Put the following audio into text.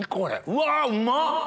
うわうまっ！